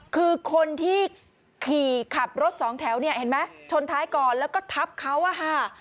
คือคนที่ขี่ขับรถสองแถวเนี่ยเห็นไหมชนท้ายก่อนแล้วก็ทับเขาอะค่ะ